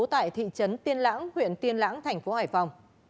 tại thị trấn tiên lãng huyện tiên lãng tp hải phòng